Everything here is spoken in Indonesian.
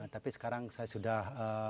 tapi sekarang saya sudah